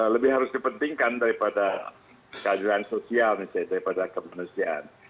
lebih harus dipentingkan daripada keadilan sosial misalnya daripada kemanusiaan